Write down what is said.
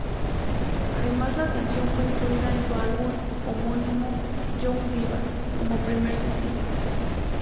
Además la canción fue incluida en su álbum homónimo "Young Divas", como primer sencillo.